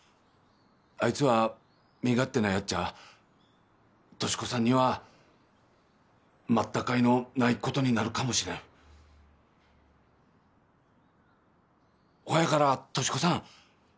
あいつは身勝手なやっちゃ俊子さんには待った甲斐のないことになるかもしれんほやから俊子さん